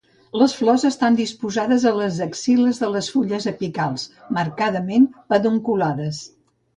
Les flors estan disposades a les axil·les de les fulles apicals, marcadament pedunculades.